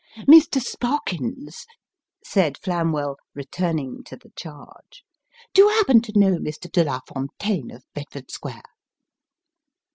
" Mr. Sparkins," said Flamwell, returning to the charge, " do you happen to know Mr. Delafontaine, of Bedford Square